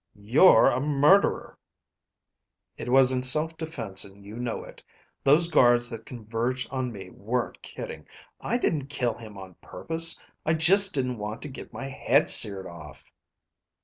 "You're a murderer...." "It was in self defense, and you know it. Those guards that converged on me weren't kidding. I didn't kill him on purpose. I just didn't want to get my head seared off."